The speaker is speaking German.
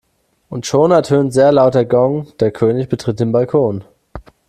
Und schon ertönt sehr laut der Gong, der König betritt den Balkon.